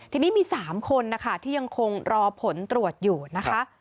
ทีนี้มี๓คนนะคะที่ยังคงรอผลตรวจอยู่นะคะ